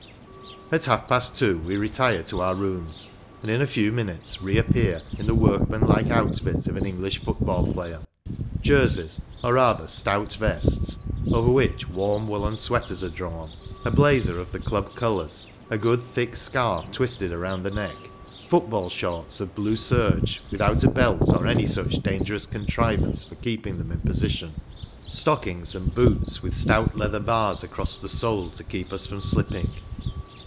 At half past two we retire to our rooms, and in a few minutes reappear in the workman like outfit of an English football player : jerseys ‚ÄĒ or rather stout vests, ‚ÄĒ over which warm woollen sweaters are drawn ; a " blazer " of the club colours ; a good thick scarf twisted round the neck ; football " shorts " of blue serge, without a belt or any such dangerous contrivance for keeping them in posi tion ; stockings and boots with stout leather bars across the sole to keep us from slipping.